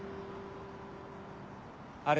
あれ？